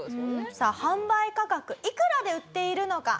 さあ販売価格いくらで売っているのか？